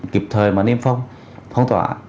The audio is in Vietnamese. kịp thời mà niêm phong phóng tỏa